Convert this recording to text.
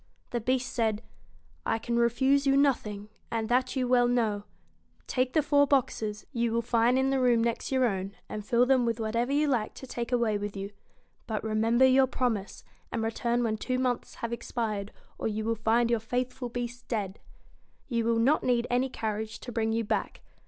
The Beast said: 'I can refuse you nothing, and that you well know. Take the four boxes; you will find in the room next your own, and fill them with whatever you like to take away with you. But remember your promise, and return when two months have expired, or you will find your faithful Beast dead. You will not need any carriage to bring you back.